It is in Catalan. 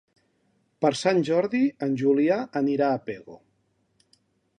Per Sant Jordi en Julià anirà a Pego.